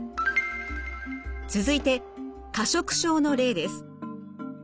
続いて過食症の例です。